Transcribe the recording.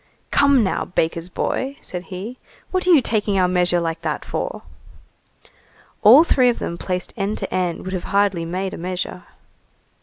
"Come, now, baker's boy!" said he, "what are you taking our measure like that for?" All three of them placed end to end would have hardly made a measure.